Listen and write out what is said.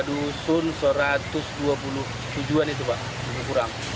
untuk dua dusun satu ratus dua puluh tujuh an itu pak